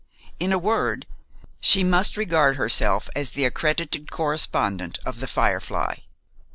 In a word, she must regard herself as the accredited correspondent of 'The Firefly.'